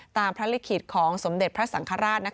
พระลิขิตของสมเด็จพระสังฆราช